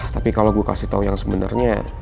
tapi kalo gue kasih tau yang sebenernya